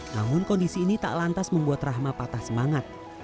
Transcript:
namun kondisi ini tak lantas membuat rahma patah semangat